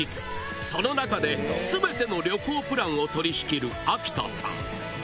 その中で全ての旅行プランを取り仕切る秋田さん